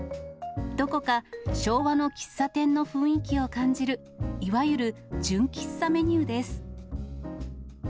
どこか昭和の喫茶店の雰囲気を感じる、いわゆる純喫茶メニューです。